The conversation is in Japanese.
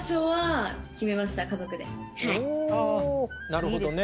なるほどね。